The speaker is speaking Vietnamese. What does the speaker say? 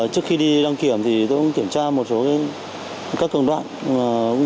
trước khi đi đăng kiểm thì tôi cũng kiểm tra một số các công đoạn